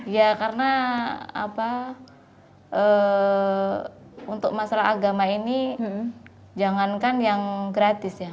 ya karena untuk masalah agama ini jangankan yang gratis ya